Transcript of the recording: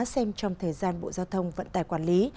xem trong thời gian bộ giao thông vận tải quản lý